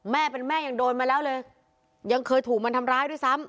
แม่เป็นแม่ยังโดนมาแล้วเลยยังเคยถูกมันทำร้ายด้วยซ้ำ